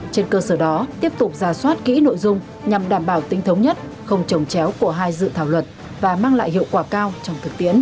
trên cơ sở đó tiếp tục ra soát kỹ nội dung nhằm đảm bảo tính thống nhất không trồng chéo của hai dự thảo luật và mang lại hiệu quả cao trong thực tiễn